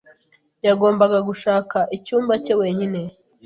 Yagombaga gushaka icyumba cye wenyine.